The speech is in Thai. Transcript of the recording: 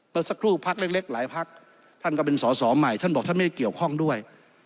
เมื่อสักครู่พักเล็กหลายพักท่านก็เป็นสอสอใหม่ท่านบอกท่านไม่ได้เกี่ยวข้องด้วย